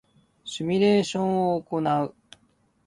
シミュレーションを行う